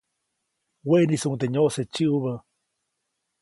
Weʼniʼisuŋde nyoʼse tsiʼubä.